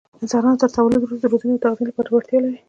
انسانان تر تولد وروسته د روزنې او تغذیې لپاره وړتیا لري.